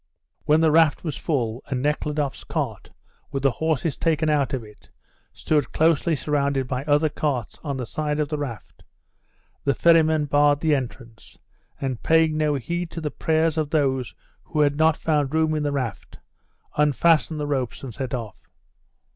When the raft was full, and Nekhludoff's cart, with the horses taken out of it, stood closely surrounded by other carts on the side of the raft, the ferryman barred the entrance, and, paying no heed to the prayers of those who had not found room in the raft, unfastened the ropes and set off.